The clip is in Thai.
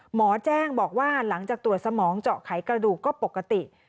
หมอแจ้งบอกว่าหลังจากตรวจสมองเจาะไขกระดูกก็ปกติ